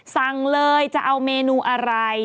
สั่งเลยจะเอาเมนูอะไร